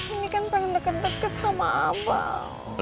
ini kan pengen deket deket sama abang